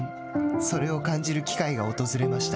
それを感じる機会が訪れました。